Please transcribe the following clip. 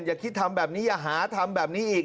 อย่าคิดทำแบบนี้อย่าหาทำแบบนี้อีก